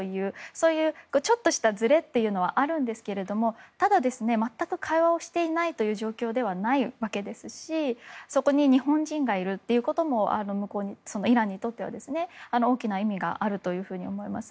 そういうちょっとしたずれはあるんですけどもただ、全く会話をしていない状況ではないわけですしそこに日本人がいることもイランにとっては大きな意味があると思います。